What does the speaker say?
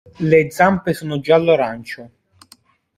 Le zampe sono giallo arancio.